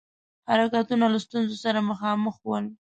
حرکتونه له ستونزو سره مخامخ ول.